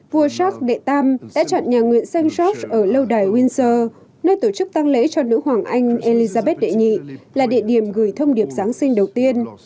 vua sát đệ tam đã chọn nhà nguyện xem xét ở lâu đài windsor nơi tổ chức tăng lễ cho nữ hoàng anh elizabeth đệ nhị là địa điểm gửi thông điệp giáng sinh đầu tiên